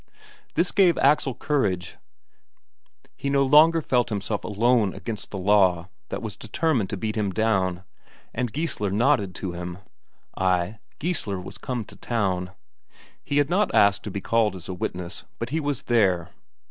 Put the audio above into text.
This gave Axel courage, he no longer felt himself alone against the Law that was determined to beat him down. And Geissler nodded to him. Ay, Geissler was come to town. He had not asked to be called as a witness, but he was there.